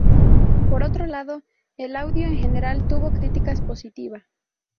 Por otro lado, el audio en general tuvo críticas positiva.